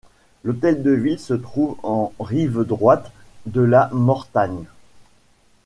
L'hôtel de ville se trouve en rive droite de la Mortagne.